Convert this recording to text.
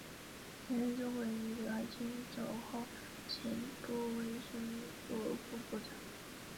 学民思潮在十区街站收集签名的同时亦派成员拾胶珠。